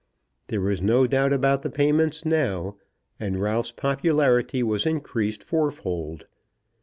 There was no doubt about the payments now, and Ralph's popularity was increased fourfold.